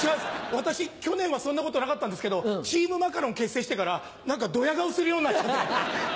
私去年はそんなことなかったんですけどチームマカロン結成してから何かドヤ顔するようになっちゃって。